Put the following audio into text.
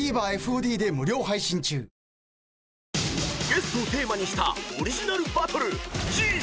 ［ゲストをテーマにしたオリジナルバトル］